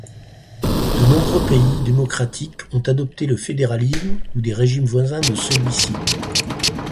De nombreux pays démocratiques ont adopté le fédéralisme ou des régimes voisins de celui-ci.